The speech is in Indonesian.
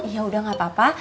yaudah gak apa apa